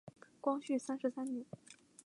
光绪三十三年。